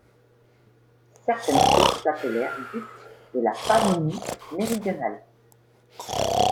Certaines sources l'appelèrent duc de la Pannonie méridionale.